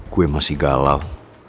gue masih galau